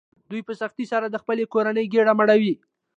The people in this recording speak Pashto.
دوی په سختۍ سره د خپلې کورنۍ ګېډه مړوي